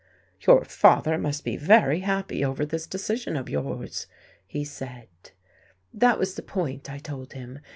"Your father must be very happy over this decision of yours," he said. That was the point, I told him.